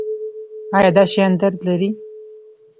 ایا دا شیان درد لري؟